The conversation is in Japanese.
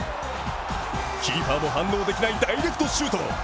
キーパーも反応できないダイレクトシュート。